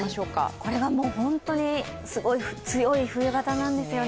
これは本当にすごい強い冬型なんですよね。